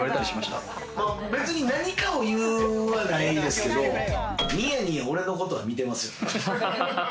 別に何かを言うはないですけど、ニヤニヤ俺のことは見てますよね。